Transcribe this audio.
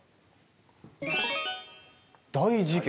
「大事件」。